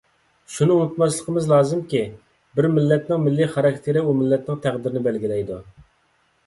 شۇنى ئۇنتۇماسلىقىمىز لازىمكى، بىر مىللەتنىڭ مىللىي خاراكتېرى ئۇ مىللەتنىڭ تەقدىرىنى بەلگىلەيدۇ.